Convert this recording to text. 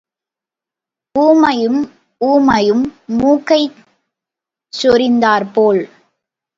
ஊமையும் ஊமையும் மூக்கைச் சொறிந்தாற் போல்.